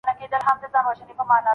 قلمي خط د ډیجیټل ستړیا مخه نیسي.